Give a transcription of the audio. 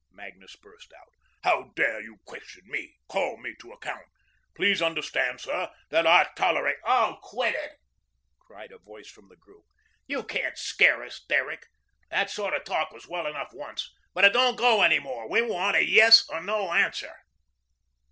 Magnus burst out. "How dare you question me call me to account! Please understand, sir, that I tolerate " "Oh, quit it!" cried a voice from the group. "You can't scare us, Derrick. That sort of talk was well enough once, but it don't go any more. We want a yes or no answer."